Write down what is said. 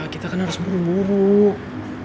kita kan harus buruk buruk